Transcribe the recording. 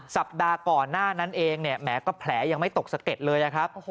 สัปดาห์ก่อนหน้านั้นเองเนี่ยแหมก็แผลยังไม่ตกสะเก็ดเลยนะครับ